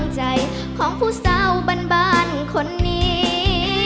ใจของผู้เศร้าบ้านคนนี้